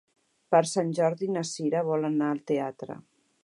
Per Sant Jordi na Cira vol anar al teatre.